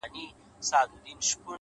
د کاغذ تاو شوی کونج د بېحوصلېتوب نښه وي’